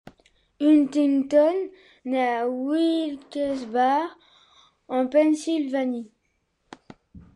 Huntington naît à Wilkes-Barre, en Pennsylvanie.